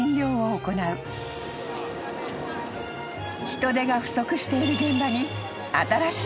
［人手が不足している現場に新しい仲間が加わった］